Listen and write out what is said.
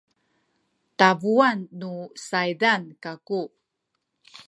tabuan nu saydan kaku